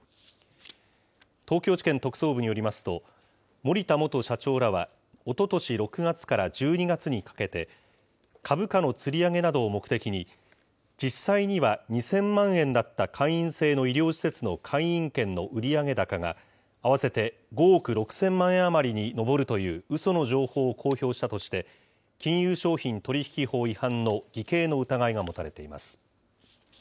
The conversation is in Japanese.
東京地検特捜部によりますと、森田元社長らは、おととし６月から１２月にかけて、株価のつり上げなどを目的に、実際には２０００万円だった会員制の医療施設の会員権の売上高が、合わせて５億６０００万円余りに上るといううその情報を公表したとして、金融商品取引法違反の偽計の疑いが持たれています。